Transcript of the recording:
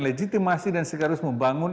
legitimasi dan seharusnya membangun